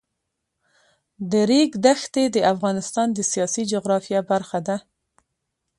د ریګ دښتې د افغانستان د سیاسي جغرافیه برخه ده.